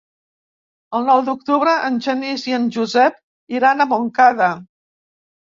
El nou d'octubre en Genís i en Josep iran a Montcada.